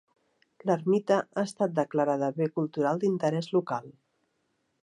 L'ermita ha estat declarada bé cultural d'interès local.